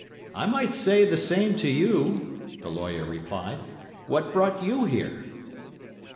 "'I might say the same to you,' the lawyer replied. 'What brought you here?